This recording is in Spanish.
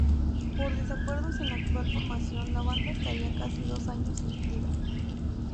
Por desacuerdos en la actual formación la banda estaría casi dos años inactiva.